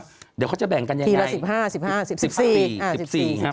เดี๋ยวเขาจะแบ่งกันอย่างไร